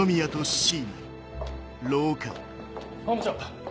本部長！